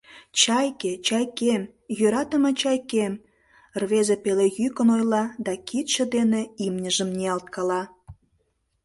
— Чайке, Чайкем, йӧратыме Чайкем, — рвезе пеле йӱкын ойла да кидше дене имньыжым ниялткала.